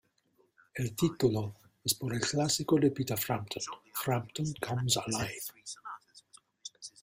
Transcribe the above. El título es por el clásico de Peter Frampton, "Frampton Comes Alive!".